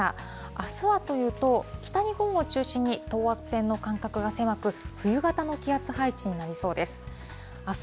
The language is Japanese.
あすはというと、北日本を中心に、等圧線の間隔が狭く、冬型の気圧配置になりそうです。